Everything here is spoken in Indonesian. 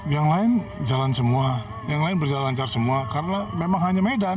yang lain jalan semua yang lain berjalan lancar semua karena memang hanya medan